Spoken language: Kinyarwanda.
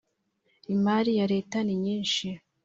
imari ya Leta ninyinshi